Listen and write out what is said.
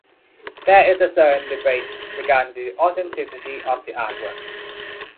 There is a certain debate regarding the authenticity of the artwork.